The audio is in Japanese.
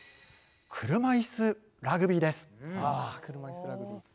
「車いすラグビー」です。